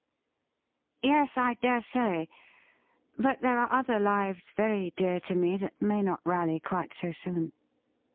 ' Yes, I dare say ; but there are other lives very dear to me that may not rally quite so soon.'